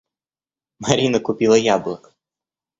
Марина купила яблок.